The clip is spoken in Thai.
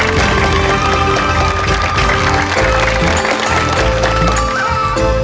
โชว์สี่ภาคจากอัลคาซ่าครับ